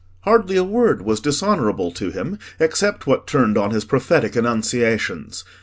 Hardly a word was dishonourable to him except what turned on his prophetic annunciations.